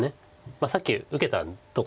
さっき受けたところなので。